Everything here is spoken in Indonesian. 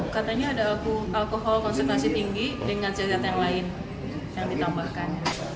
katanya ada alkohol konsultasi tinggi dengan zat zat yang lain yang ditambahkan